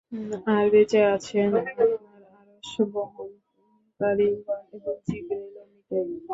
আর বেঁচে আছেন আপনার আরশ বহনকারিগণ এবং জিবরাঈল ও মীকাঈল।